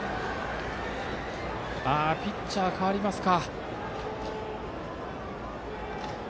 ピッチャー、代わりますか。